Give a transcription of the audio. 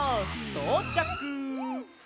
とうちゃく。